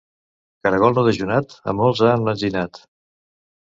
Caragol no dejunat a molts ha emmetzinat.